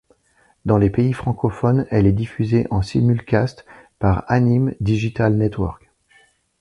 Dans les pays francophones, elle est diffusée en simulcast par Anime Digital Network.